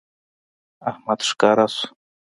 احمد ښکاره شو